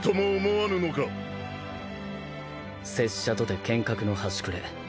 拙者とて剣客の端くれ。